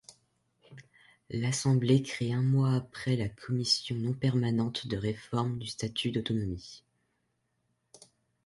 L'Assemblée crée un mois après la commission non-permanente de réforme du statut d'autonomie.